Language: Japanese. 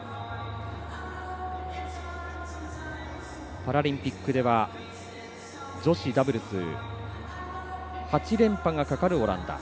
パラリンピックでは女子ダブルス８連覇がかかるオランダ。